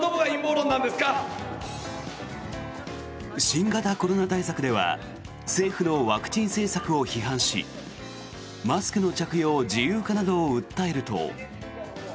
新型コロナ対策では政府のワクチン政策を批判しマスクの着用自由化などを訴えると。